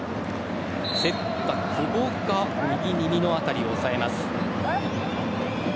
競った久保が右耳の辺りを押さえます。